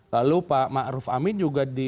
lalu pak ma'ruf amin juga dibuka